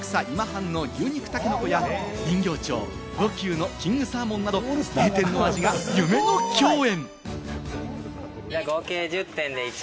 浅草今半の牛肉たけのこや人形町・魚久のキングサーモンなど、名店の味が夢の共演。